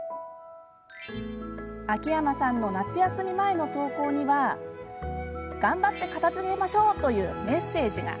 秋山さんの夏休み前の投稿には「頑張って片づけましょう」というメッセージが。